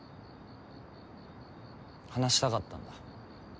話したかったんだ。